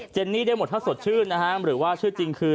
นี่ได้หมดถ้าสดชื่นนะฮะหรือว่าชื่อจริงคือ